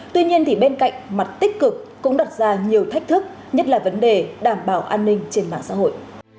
tuy nhiên bên cạnh mặt tích cực cũng đặt ra nhiều thách thức nhất là vấn đề đảm bảo an ninh trên mạng xã hội